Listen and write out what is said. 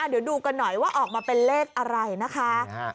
เดี๋ยวดูกันหน่อยว่าออกมาเป็นเลขอะไรนะคะ